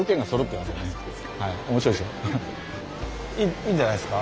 いいんじゃないですか？